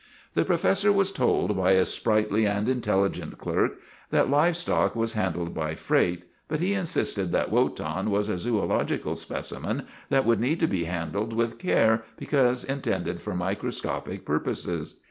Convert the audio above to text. The professor was told by a sprightly and intelli gent clerk that live stock was handled by freight, but he insisted that Wotan was a zoological speci men that would need to be handled with care be cause intended for microscopic purposes.